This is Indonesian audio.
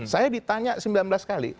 saya ditanya sembilan belas kali